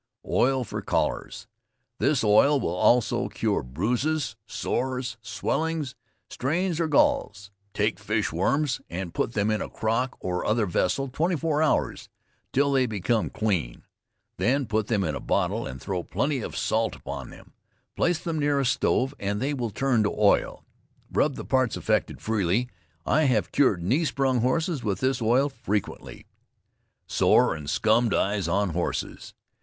OIL FOR COLLARS. This oil will also cure bruises, sores, swellings, strains or galls. Take fishworms and put them in a crock or other vessel 24 hours, till they become clean; then put them in a bottle and throw plenty of salt upon them, place them near a stove and they will turn to oil; rub the parts affected freely. I have cured knee sprung horses with this oil frequently. SORE AND SCUMMED EYES ON HORSES.